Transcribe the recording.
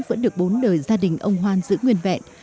vẫn được bốn đời gia đình ông hoan giữ nguyên vẹn